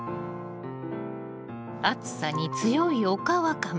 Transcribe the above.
暑さに強いオカワカメ。